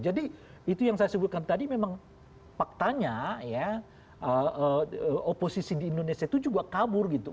jadi itu yang saya sebutkan tadi memang faktanya ya oposisi di indonesia itu juga kabur gitu